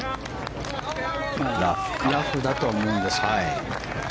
ラフだと思うんですが。